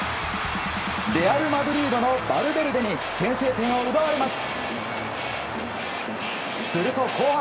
レアル・マドリードのバルベルデに先制点を奪われます。